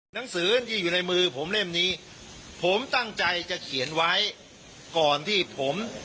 หนังสือที่อยู่ในมือผมเล่มนี้ผมตั้งใจจะเขียนไว้ก่อนที่ผม